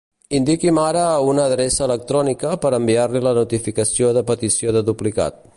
Indiqui'm ara una adreça electrònica per enviar-li la notificació de petició de duplicat.